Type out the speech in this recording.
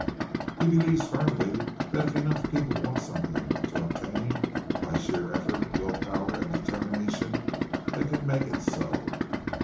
He believes firmly that if enough people want something to obtain, by sheer effort, will power, and determination, they can make it so."